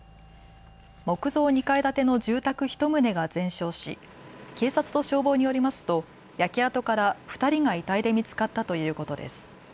木造２階建ての住宅１棟が全焼し警察と消防によりますと焼け跡から２人が遺体で見つかったということです。